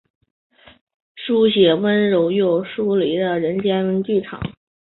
书写温柔又疏离的人间剧场。